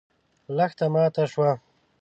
لښته ماته شوه.